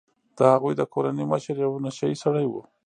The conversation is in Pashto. د هغوی د کورنۍ مشر یو نشه يي سړی و.